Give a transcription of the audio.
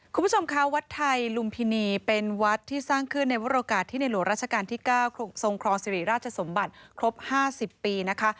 คุณผู้ชมคะวัดไทยลุมพินีเป็นวัดที่สร้างขึ้นในวรโอกาสที่ในหลวงราชการที่๙ทรงครองสิริราชสมบัติครบ๕๐ปีนะคะ